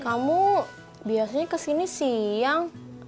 kamu biasanya kesini siang